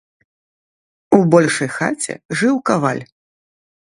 У большай хаце жыў каваль.